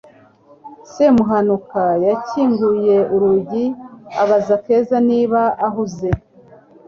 semuhanuka yakinguye urugi abaza keza niba ahuze